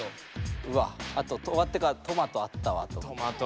とまってからトマトあったわと思って。